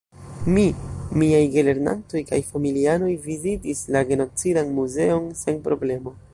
Mi, miaj gelernantoj kaj familianoj vizitis la "Genocidan Muzeon" sen problemo.